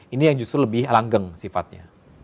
ini yang justru lebih langgeng sifatnya